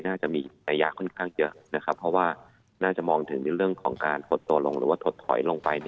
น่าจะมีระยะค่อนข้างเยอะนะครับเพราะว่าน่าจะมองถึงในเรื่องของการหดตัวลงหรือว่าถดถอยลงไป